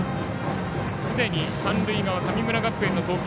すでに三塁側神村学園の投球